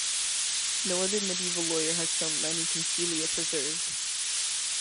No other medieval lawyer has so many consilia preserved.